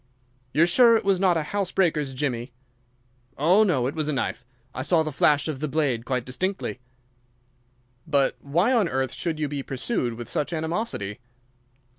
"You are sure it was not a house breaker's jimmy?" "Oh, no, it was a knife. I saw the flash of the blade quite distinctly." "But why on earth should you be pursued with such animosity?"